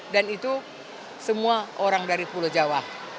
dan itu semua orang dari pulau jawa